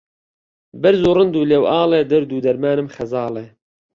بەرز و ڕند و ڵێوئاڵێ دەرد و دەرمانم خەزاڵێ